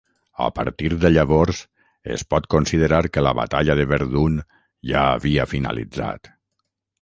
A partir de llavors es pot considerar que la batalla de Verdun ja havia finalitzat.